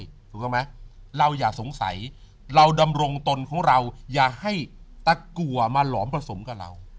ถูกต้องไหมเราอย่าสงสัยเราดำรงตนของเราอย่าให้ตะกัวมาหลอมผสมกับเรา